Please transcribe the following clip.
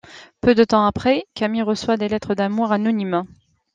Peu de temps après, Camille reçoit des lettres d'amour anonymes.